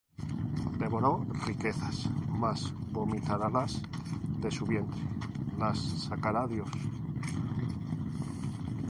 Devoró riquezas, mas vomitarálas; De su vientre las sacará Dios.